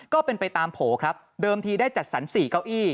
ก็เป็นไปตามโผล่ครับเดิมทีได้จัดสรร๔เก้าอี้